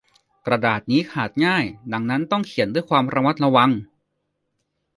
กระดาษนี้ขาดง่าย ดังนั้นต้องเขียนด้วยความระมัดระวัง